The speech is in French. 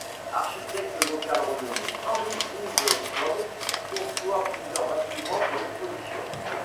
Architecte local renommé, Henry Ives Cobb conçoit plusieurs bâtiments pour l'Exposition.